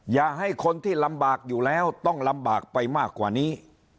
อย่าให้คนที่ลำบากอยู่แล้วต้องลำบากไปมากกว่านี้